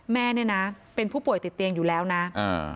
แม่เนี่ยนะเป็นผู้ป่วยติดเตียงอยู่แล้วนะอ่า